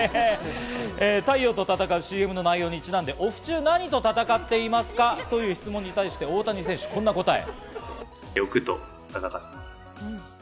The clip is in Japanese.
太陽と戦うＣＭの内容にちなんでオフ中、何と戦っていますか？という質問に対して、大谷選手はこんな答え。